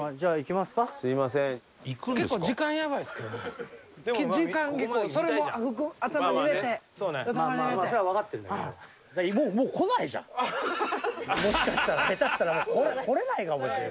もしかしたら下手したらもう来れないかもしれない。